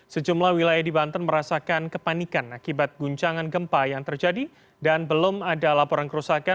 sejumlah wilayah di banten merasakan kepanikan akibat guncangan gempa yang terjadi dan belum ada laporan kerusakan